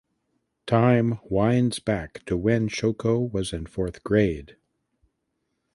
Time winds back to when Shoko was in fourth grade.